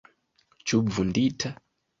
Ĉu vundita?